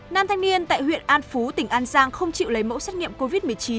nam thanh niên tại huyện an phú tỉnh an giang không chịu lấy mẫu xét nghiệm covid một mươi chín